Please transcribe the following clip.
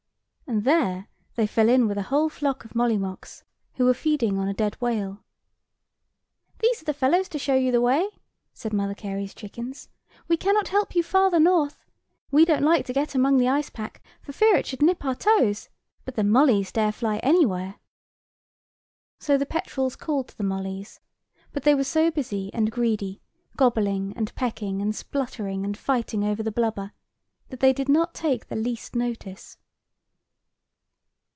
And there they fell in with a whole flock of molly mocks, who were feeding on a dead whale. "These are the fellows to show you the way," said Mother Carey's chickens; "we cannot help you farther north. We don't like to get among the ice pack, for fear it should nip our toes: but the mollys dare fly anywhere." [Picture: Mother Carey's chickens] So the petrels called to the mollys: but they were so busy and greedy, gobbling and peeking and spluttering and fighting over the blubber, that they did not take the least notice.